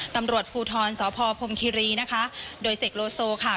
ตำรวจภูทรสพพรมคิรีนะคะโดยเสกโลโซค่ะ